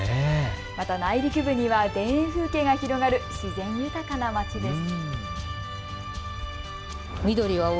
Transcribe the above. また内陸部には田園風景が広がる自然豊かな町です。